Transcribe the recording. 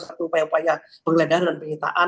satu upaya upaya penggeledahan dan penyitaan